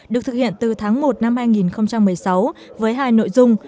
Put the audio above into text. được thực hiện từ tháng một năm hai nghìn một mươi sáu với hai nội dung